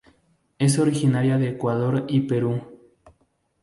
Es originaria de Ecuador y Perú.